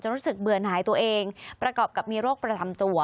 รู้สึกเบื่อนหายตัวเองประกอบกับมีโรคประจำตัว